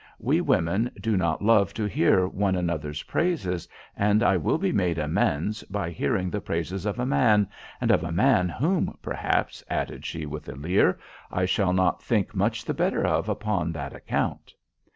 We women do not love to hear one another's praises, and I will be made amends by hearing the praises of a man, and of a man whom, perhaps," added she with a leer, "I shall not think much the better of upon that account."